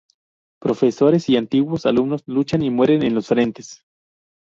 Profesores y antiguos alumnos luchan y mueren en los frentes.